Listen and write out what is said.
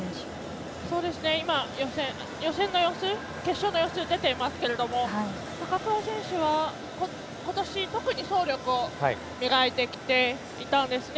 今、予選の様子決勝の様子が出ていますが高桑選手は今年、特に走力を磨いてきていたんですね。